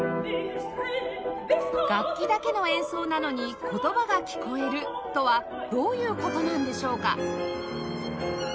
楽器だけの演奏なのに言葉が聞こえるとはどういう事なんでしょうか？